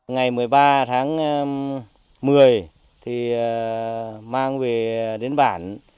ngày một mươi ba tháng một mươi thì mang về đến bản